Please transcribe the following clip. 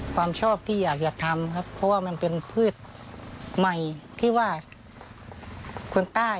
ความชอบที่อยากจะทำครับเพราะว่ามันเป็นพืชใหม่ที่ว่าคนใต้